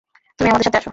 তুমি আমাদের সাথে আসো!